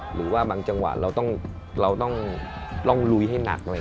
หรือว่าบางจังหวะเราต้องเราต้องลองลุยให้หนักอะไรอย่างเงี้ย